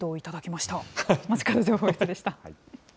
まちかど情報室でした。